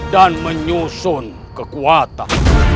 dan menyusun kekuatan